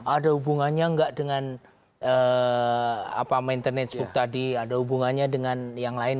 ada hubungannya nggak dengan maintenance book tadi ada hubungannya dengan yang lain